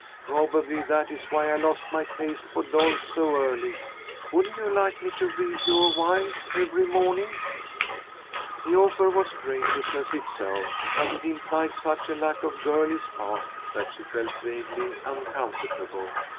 Probably that is why I lost my taste for dolls so early. Wouldn't you like me to read to you awhile every morning?" The offer was graciousness itself, but it implied such a lack on Girlie's part that she felt vaguely uncomfortable.